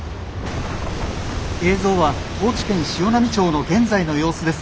「映像は高知県潮波町の現在の様子です。